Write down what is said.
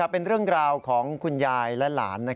เป็นเรื่องราวของคุณยายและหลาน